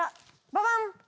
ババン。